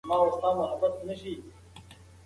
دا د تېنس بوټان په فرش باندې د نه ښویېدو ځانګړتیا لري.